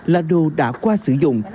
là đồ đã qua sử dụng